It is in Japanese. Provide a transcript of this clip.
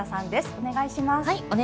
お願いします。